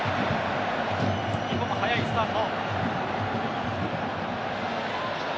日本も早いスタート。